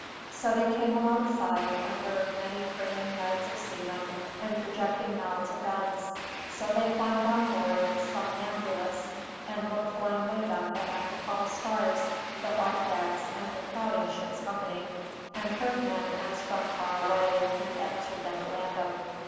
So they came alongside, under many craning heads of seamen and projecting mouths of guns; so they climbed on board somnambulous, and looked blindly about them at the tall spars, the white decks, and the crowding ship's company, and heard men as from far away, and answered them at random.